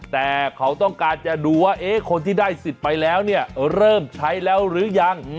แต่เขาต้องการจะดูว่าคนที่ได้สิทธิ์ไปแล้วเนี่ยเริ่มใช้แล้วหรือยัง